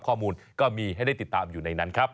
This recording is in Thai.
ข้อมูลก็มีให้ได้ติดตามอยู่ในนั้นครับ